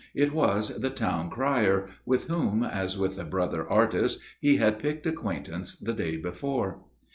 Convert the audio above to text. It was the Town Crier, with whom, as with a brother artist, he had picked acquaintance the day before.